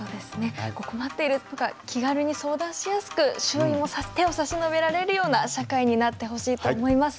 困っている人が気軽に相談しやすく周囲も手を差し伸べられるような社会になってほしいと思います。